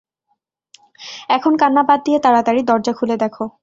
এখন কান্না বাদ দিয়ে তাড়াতাড়ি দরজা খুলে দেখো!